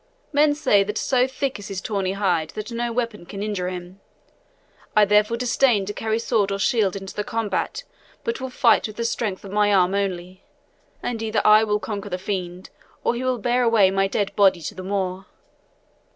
Men say that so thick is his tawny hide that no weapon can injure him. I therefore disdain to carry sword or shield into the combat, but will fight with the strength of my arm only, and either I will conquer the fiend or he will bear away my dead body to the moor.